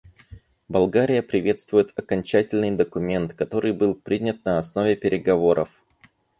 Болгария приветствует окончательный документ, который был принят на основе переговоров.